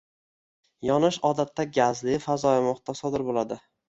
Yonish odatda gazli - fazoviy muhitda sodir bo’ladi